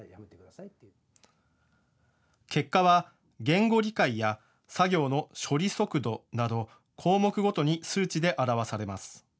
結果は言語理解や作業の処理速度など項目ごとに数値で表されます。